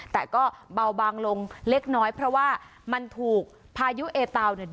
แต่ก็เบาบางลงเล็กน้อยเพราะว่ามันถูกพายุเอเตาเนี่ย